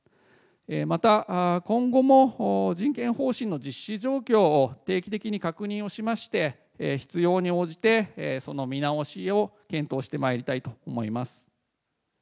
また今後も人権方針の実施状況を定期的に確認をしまして、必要に応じて、その見直しを検討してまいりたいと思います。